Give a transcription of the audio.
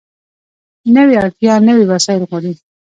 نوې اړتیا نوي وسایل غواړي